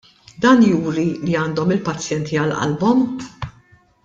Dan juri li għandhom il-pazjenti għal qalbhom?